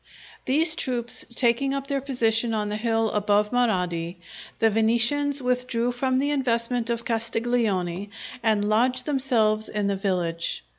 These troops taking up their position on the hill above Marradi, the Venetians withdrew from the investment of Castiglione and lodged themselves in the village.